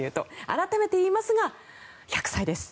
改めていいますが１００歳です。